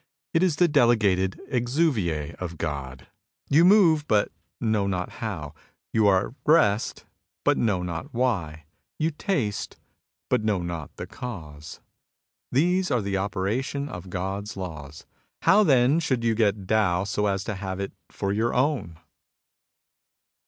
It is the delegated exuviae of God. You move, but know not how. You are at rest, but know not why. You taste, but know not the cause. These are the operation of God's laws. How then should you get Tao so as to have it for your own